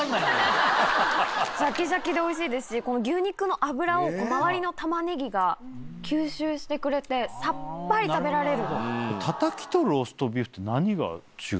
ジャキジャキでおいしいですし牛肉の脂を周りのタマネギが吸収してくれてさっぱり食べられる。